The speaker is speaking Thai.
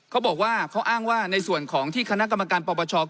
เขาบอกว่าเขาอ้างว่าในส่วนของที่คณะกรรมการปปช